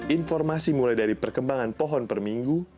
informasi mulai dari perkembangan pohon per minggu